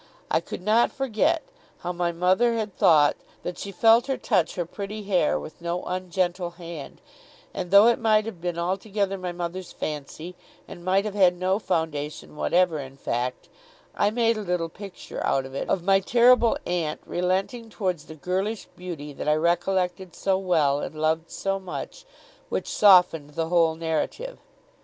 I could not forget how my mother had thought that she felt her touch her pretty hair with no ungentle hand; and though it might have been altogether my mother's fancy, and might have had no foundation whatever in fact, I made a little picture, out of it, of my terrible aunt relenting towards the girlish beauty that I recollected so well and loved so much, which softened the whole narrative.